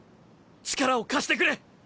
力を貸してくれ！